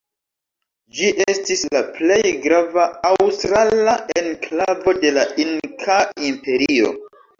Ĝi estis la plej grava aŭstrala enklavo de la Inkaa imperio.